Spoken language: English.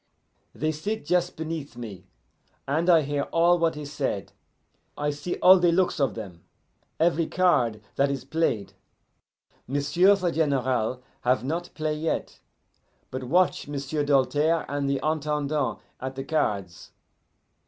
"They sit just beneath me, and I hear all what is said, I see all the looks of them, every card that is played. M'sieu' the General have not play yet, but watch M'sieu' Doltaire and the Intendant at the cards.